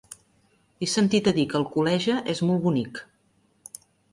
He sentit a dir que Alcoleja és molt bonic.